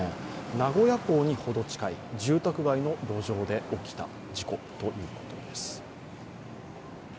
名古屋港にほど近い住宅街の路上で起きた事故ということです。